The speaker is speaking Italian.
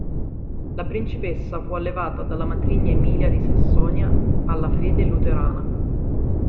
La principessa fu allevata dalla matrigna Emilia di Sassonia alla fede luterana.